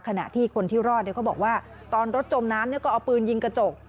ขณะที่คนที่รอดเขาบอกว่าตอนรถจมน้ำก็เอาปืนยิงกระจก